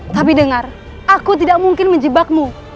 tapi dengar aku tidak mungkin menjebakmu